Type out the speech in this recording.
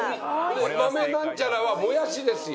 「豆なんちゃら」はもやしですよ。